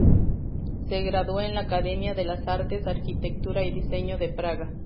Se graduó en la Academia de las Artes, Arquitectura y Diseño de Praga.